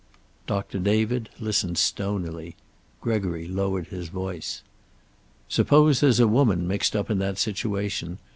Doctor David listened stonily. Gregory lowered his voice. "Suppose there's a woman mixed up in that situation.